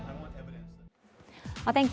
お天気